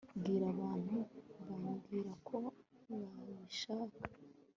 bwira abantu bambwira ko babishaka